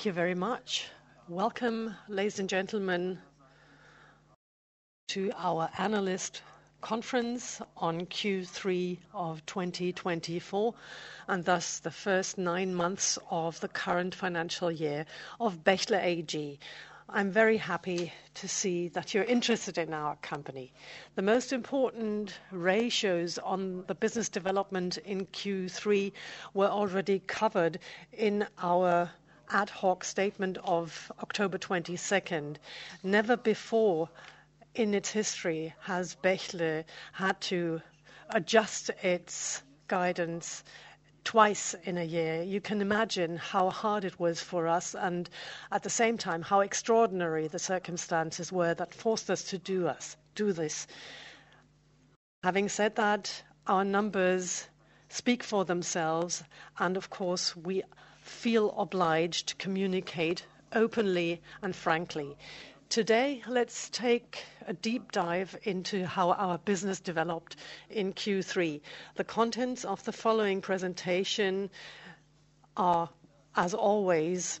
Thank you very much. Welcome, ladies and gentlemen, to our analyst conference on Q3 of 2024, and thus the first nine months of the current financial year of Bechtle AG. I'm very happy to see that you're interested in our company. The most important ratios on the business development in Q3 were already covered in our ad hoc statement of October 22nd. Never before in its history has Bechtle had to adjust its guidance twice in a year. You can imagine how hard it was for us, and at the same time how extraordinary the circumstances were that forced us to do this. Having said that, our numbers speak for themselves, and of course we feel obliged to communicate openly and frankly. Today, let's take a deep dive into how our business developed in Q3. The contents of the following presentation are, as always,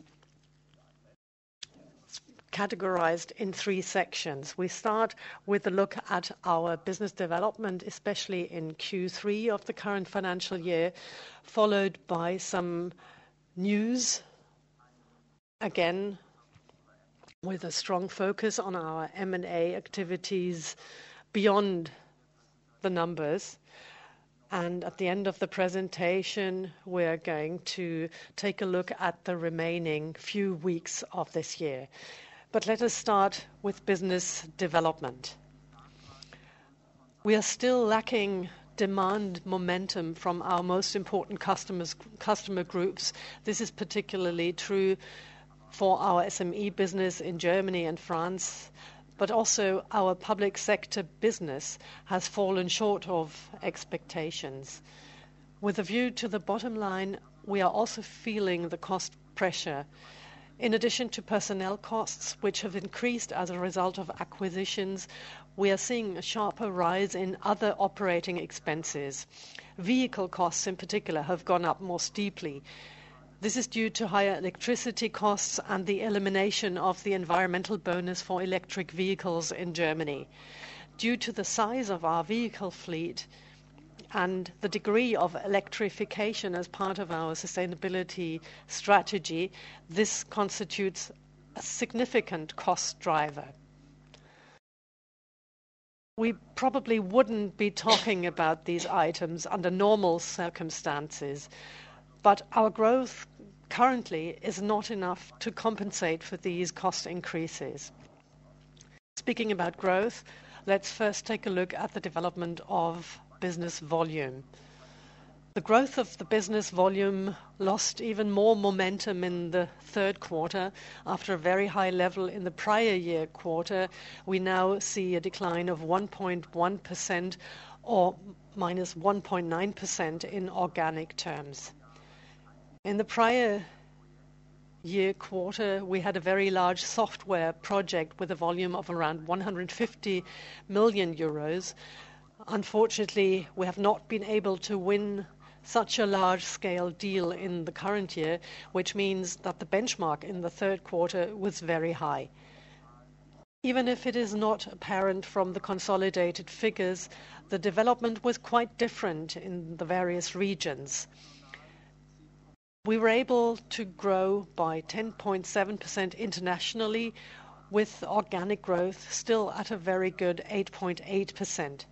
categorized in three sections. We start with a look at our business development, especially in Q3 of the current financial year, followed by some news, again with a strong focus on our M&A activities beyond the numbers, and at the end of the presentation, we're going to take a look at the remaining few weeks of this year, but let us start with business development. We are still lacking demand momentum from our most important customer groups. This is particularly true for our SME business in Germany and France, but also our public sector business has fallen short of expectations. With a view to the bottom line, we are also feeling the cost pressure. In addition to personnel costs, which have increased as a result of acquisitions, we are seeing a sharper rise in other operating expenses. Vehicle costs, in particular, have gone up most deeply. This is due to higher electricity costs and the elimination of the environmental bonus for electric vehicles in Germany. Due to the size of our vehicle fleet and the degree of electrification as part of our sustainability strategy, this constitutes a significant cost driver. We probably wouldn't be talking about these items under normal circumstances, but our growth currently is not enough to compensate for these cost increases. Speaking about growth, let's first take a look at the development of business volume. The growth of the business volume lost even more momentum in the Q3 after a very high level in the prior year quarter. We now see a decline of 1.1% or minus 1.9% in organic terms. In the prior year quarter, we had a very large software project with a volume of around 150 million euros. Unfortunately, we have not been able to win such a large scale deal in the current year, which means that the benchmark in Q3 was very high. Even if it is not apparent from the consolidated figures, the development was quite different in the various regions. We were able to grow by 10.7% internationally, with organic growth still at a very good 8.8%.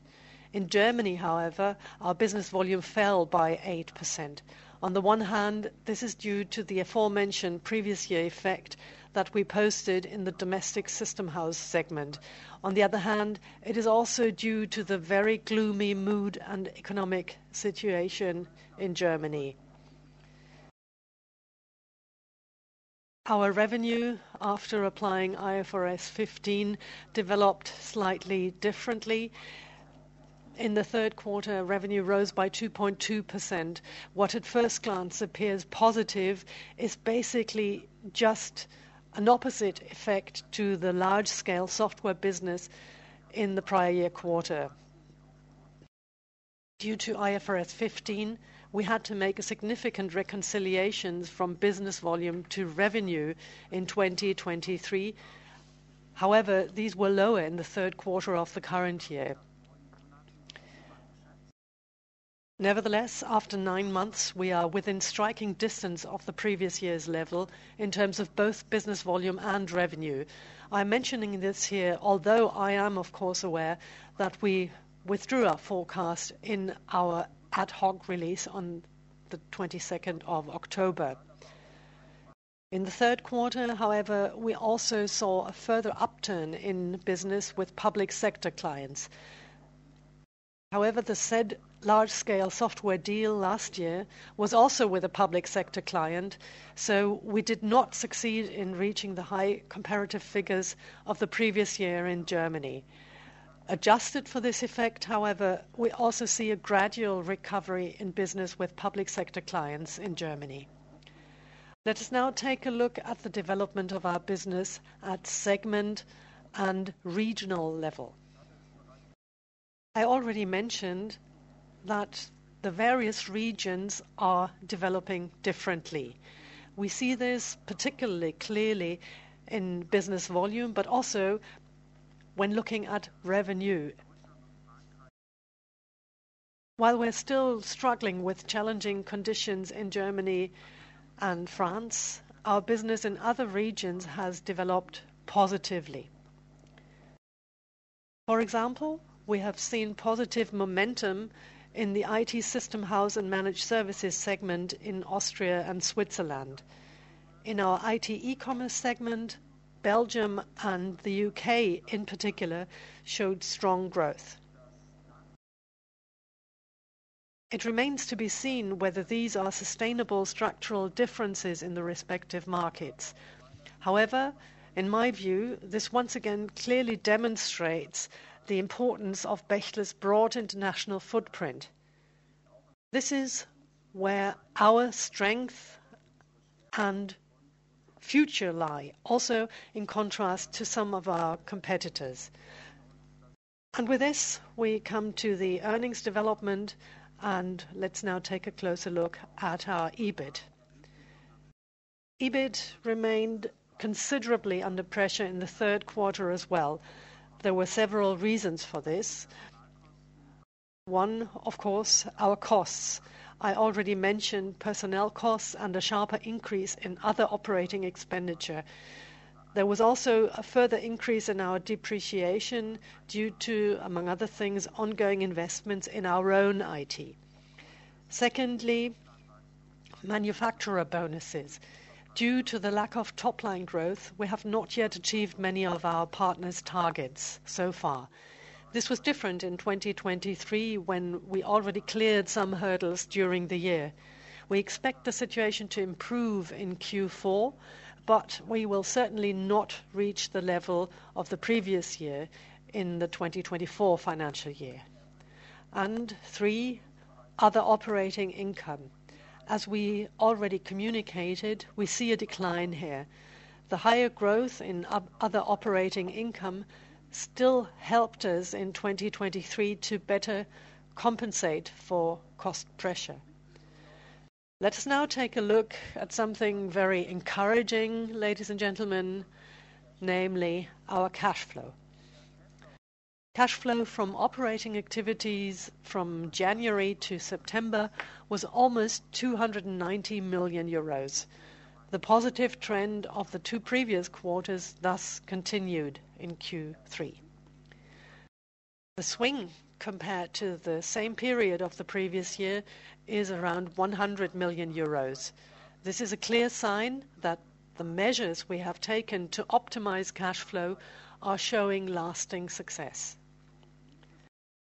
In Germany, however, our business volume fell by 8%. On the one hand, this is due to the aforementioned previous year effect that we posted in the domestic system house segment. On the other hand, it is also due to the very gloomy mood and economic situation in Germany. Our revenue, after applying IFRS 15, developed slightly differently. In Q3, revenue rose by 2.2%. What at first glance appears positive is basically just an opposite effect to the large scale software business in the prior year quarter. Due to IFRS 15, we had to make a significant reconciliation from business volume to revenue in 2023. However, these were lower in Q3 of the current year. Nevertheless, after nine months, we are within striking distance of the previous year's level in terms of both business volume and revenue. I'm mentioning this here, although I am, of course, aware that we withdrew our forecast in our ad hoc release on the 22nd of October. In Q3, however, we also saw a further upturn in business with public sector clients. However, the said large scale software deal last year was also with a public sector client, so we did not succeed in reaching the high comparative figures of the previous year in Germany. Adjusted for this effect, however, we also see a gradual recovery in business with public sector clients in Germany. Let us now take a look at the development of our business at segment and regional level. I already mentioned that the various regions are developing differently. We see this particularly clearly in business volume, but also when looking at revenue. While we're still struggling with challenging conditions in Germany and France, our business in other regions has developed positively. For example, we have seen positive momentum in the IT system house and managed services segment in Austria and Switzerland. In our IT e-commerce segment, Belgium and the U.K. in particular showed strong growth. It remains to be seen whether these are sustainable structural differences in the respective markets. However, in my view, this once again clearly demonstrates the importance of Bechtle's broad international footprint. This is where our strength and future lie, also in contrast to some of our competitors, and with this, we come to the earnings development, and let's now take a closer look at our EBIT. EBIT remained considerably under pressure in Q3 as well. There were several reasons for this. One, of course, our costs. I already mentioned personnel costs and a sharper increase in other operating expenditure. There was also a further increase in our depreciation due to, among other things, ongoing investments in our own IT. Secondly, manufacturer bonuses. Due to the lack of top line growth, we have not yet achieved many of our partners' targets so far. This was different in 2023 when we already cleared some hurdles during the year. We expect the situation to improve in Q4, but we will certainly not reach the level of the previous year in the 2024 financial year. And three, other operating income. As we already communicated, we see a decline here. The higher growth in other operating income still helped us in 2023 to better compensate for cost pressure. Let us now take a look at something very encouraging, ladies and gentlemen, namely our cash flow. Cash flow from operating activities from January to September was almost 290 million euros. The positive trend of the two previous quarters thus continued in Q3. The swing compared to the same period of the previous year is around 100 million euros. This is a clear sign that the measures we have taken to optimize cash flow are showing lasting success.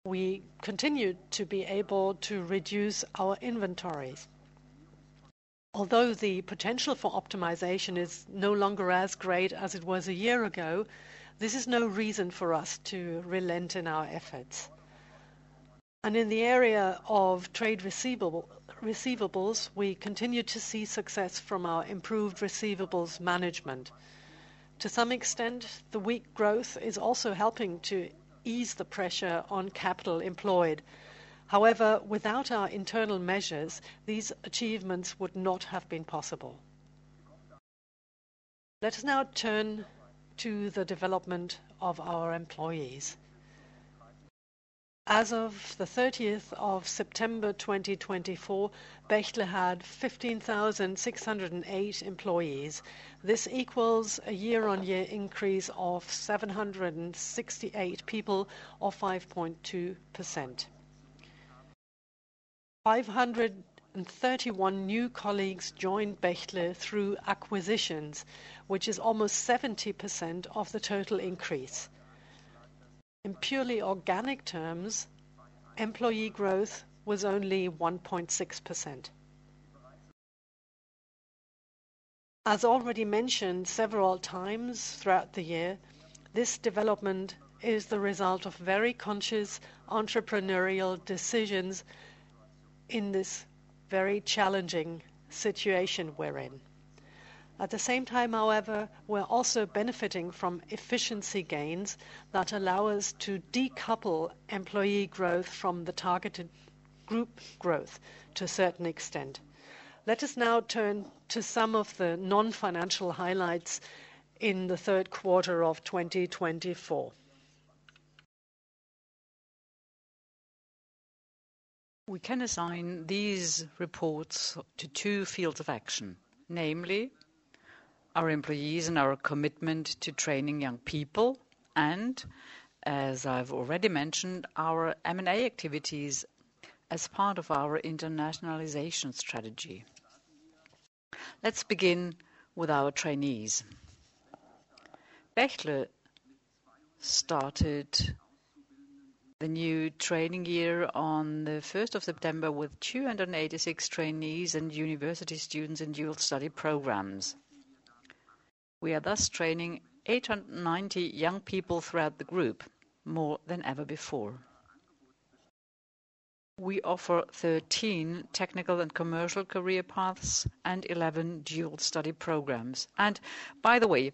We continue to be able to reduce our inventories. Although the potential for optimization is no longer as great as it was a year ago, this is no reason for us to relent in our efforts, and in the area of trade receivables, we continue to see success from our improved receivables management. To some extent, the weak growth is also helping to ease the pressure on capital employed. However, without our internal measures, these achievements would not have been possible. Let us now turn to the development of our employees. As of the 30th of September 2024, Bechtle had 15,608 employees. This equals a year-on-year increase of 768 people or 5.2%. 531 new colleagues joined Bechtle through acquisitions, which is almost 70% of the total increase. In purely organic terms, employee growth was only 1.6%. As already mentioned several times throughout the year, this development is the result of very conscious entrepreneurial decisions in this very challenging situation we're in. At the same time, however, we're also benefiting from efficiency gains that allow us to decouple employee growth from the targeted group growth to a certain extent. Let us now turn to some of the non-financial highlights in the Q3 of 2024. We can assign these reports to two fields of action, namely our employees and our commitment to training young people, and, as I've already mentioned, our M&A activities as part of our internationalization strategy. Let's begin with our trainees. Bechtle started the new training year on the 1st of September with 286 trainees and university students in dual study programs. We are thus training 890 young people throughout the group, more than ever before. We offer 13 technical and commercial career paths and 11 dual study programs. And by the way,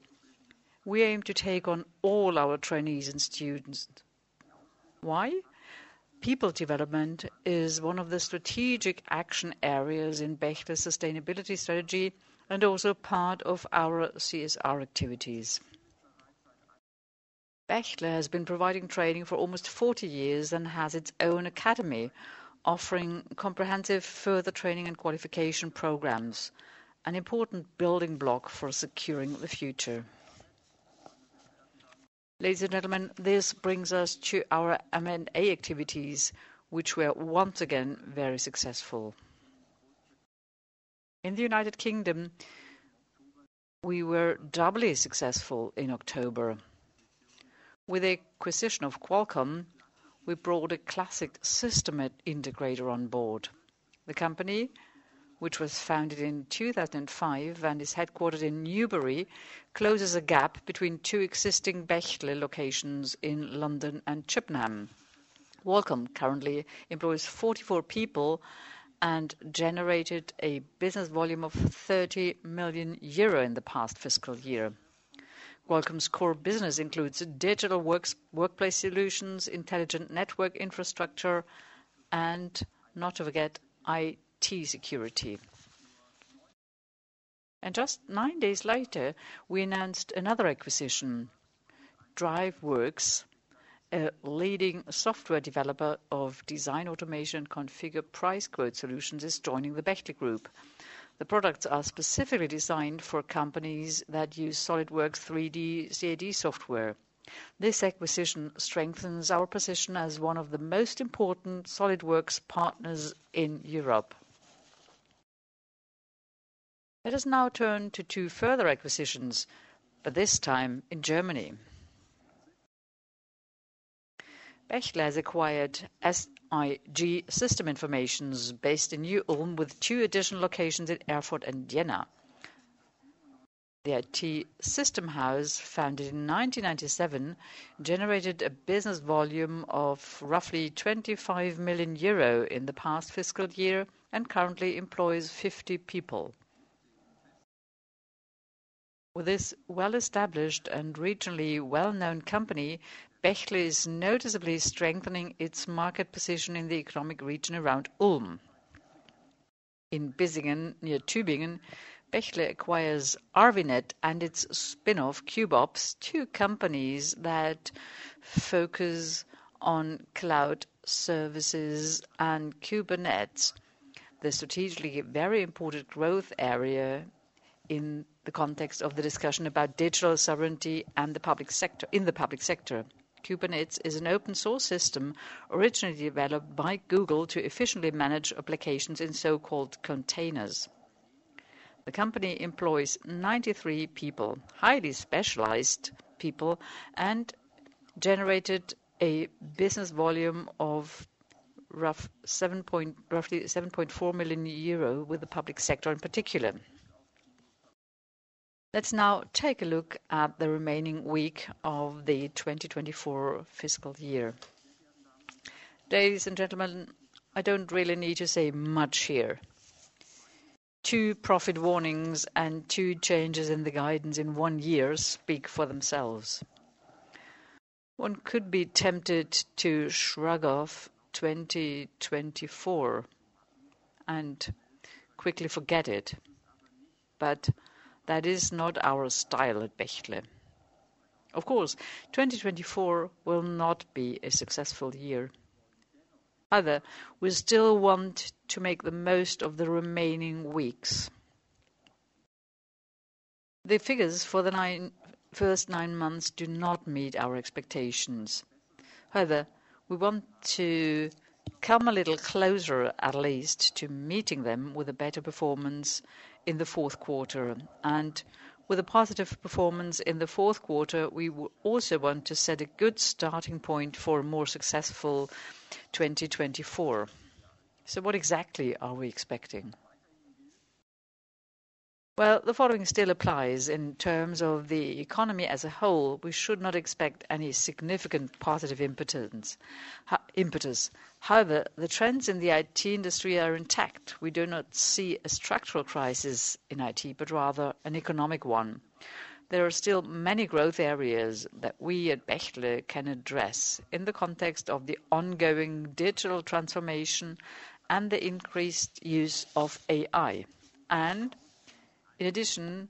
we aim to take on all our trainees and students. Why? People development is one of the strategic action areas in Bechtle's sustainability strategy and also part of our CSR activities. Bechtle has been providing training for almost 40 years and has its own academy offering comprehensive further training and qualification programs, an important building block for securing the future. Ladies and gentlemen, this brings us to our M&A activities, which were once again very successful. In the United Kingdom, we were doubly successful in October. With the acquisition of Qolcom, we brought a classic system integrator on board. The company, which was founded in 2005 and is headquartered in Newbury, closes a gap between two existing Bechtle locations in London and Chippenham. Qolcom currently employs 44 people and generated a business volume of 30 million euro in the past fiscal year. Qolcom's core business includes digital workplace solutions, intelligent network infrastructure, and not to forget, IT security. Just nine days later, we announced another acquisition. DriveWorks, a leading software developer of design automation and configure price quote solutions, is joining The Bechtle Group. The products are specifically designed for companies that use SOLIDWORKS 3D CAD software. This acquisition strengthens our position as one of the most important SOLIDWORKS partners in Europe. Let us now turn to two further acquisitions, but this time in Germany. Bechtle has acquired s.i.g. System Information based in Neu-Ulm with two additional locations in Erfurt and Jena. The IT system house, founded in 1997, generated a business volume of roughly 25 million euro in the past fiscal year and currently employs 50 people. With this well-established and regionally well-known company, Bechtle is noticeably strengthening its market position in the economic region around Ulm. In Bissingen, near Tübingen, Bechtle acquires ARWINET and its spinoff KubeOps, two companies that focus on cloud services and Kubernetes, the strategically very important growth area in the context of the discussion about digital sovereignty and the public sector. Kubernetes is an open-source system originally developed by Google to efficiently manage applications in so-called containers. The company employs 93 people, highly specialized people, and generated a business volume of roughly 7.4 million euro with the public sector in particular. Let's now take a look at the remaining week of the 2024 fiscal year. Ladies and gentlemen, I don't really need to say much here. Two profit warnings and two changes in the guidance in one year speak for themselves. One could be tempted to shrug off 2024 and quickly forget it, but that is not our style at Bechtle. Of course, 2024 will not be a successful year. However, we still want to make the most of the remaining weeks. The figures for the first nine months do not meet our expectations. However, we want to come a little closer, at least, to meeting them with a better performance in Q4, and with a positive performance in Q4, we also want to set a good starting point for a more successful 2024. So what exactly are we expecting? Well, the following still applies in terms of the economy as a whole. We should not expect any significant positive impetus. However, the trends in the IT industry are intact. We do not see a structural crisis in IT, but rather an economic one. There are still many growth areas that we at Bechtle can address in the context of the ongoing digital transformation and the increased use of AI. And in addition,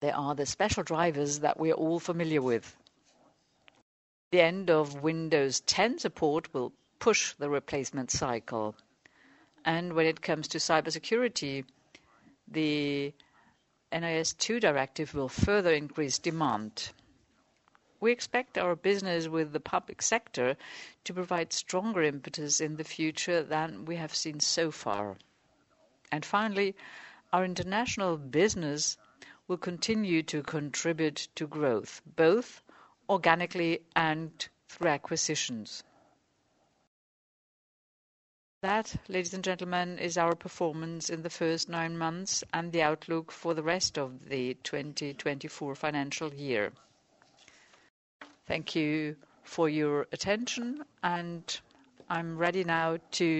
there are the special drivers that we are all familiar with. The end of Windows 10 support will push the replacement cycle. And when it comes to cybersecurity, the NIS2 Directive will further increase demand. We expect our business with the public sector to provide stronger impetus in the future than we have seen so far. And finally, our international business will continue to contribute to growth, both organically and through acquisitions. That, ladies and gentlemen, is our performance in the first nine months and the outlook for the rest of the 2024 financial year. Thank you for your attention, and I'm ready now to...